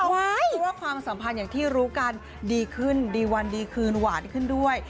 เพราะว่าความสัมพันธ์อย่างที่รู้กันดีขึ้นดีวันดีคืนหวานขึ้นด้วย